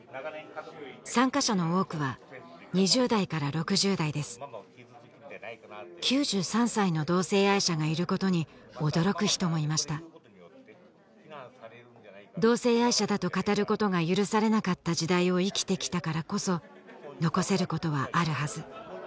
参加者の多くは２０代から６０代です９３歳の同性愛者がいることに驚く人もいました同性愛者だと語ることが許されなかった時代を生きてきたからこそ残せることはあるはず